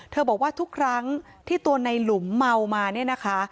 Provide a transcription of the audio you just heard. บอกว่าทุกครั้งที่ตัวในหลุมเมามาเนี่ยนะคะ